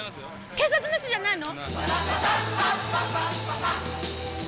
警察の人じゃないの？